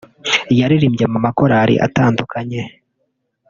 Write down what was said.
yaririmbye mu makorali atandukanye